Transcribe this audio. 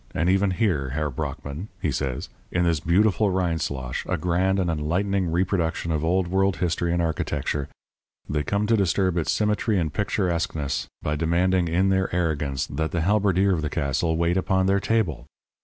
And even here, Herr Brockmann,' he says, 'in this beautiful Rindslosh, a grand and enlightening reproduction of Old World history and architecture, they come to disturb its symmetry and picturesqueness by demanding in their arrogance that the halberdier of the castle wait upon their table!